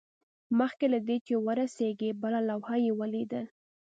مخکې له دې چې ورسیږي بله لوحه یې ولیدل